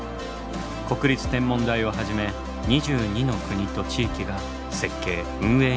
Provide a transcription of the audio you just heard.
国立天文台をはじめ２２の国と地域が設計運営に参加。